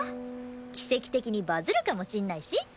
奇跡的にバズるかもしんないし？